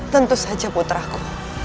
tentu saja puteraku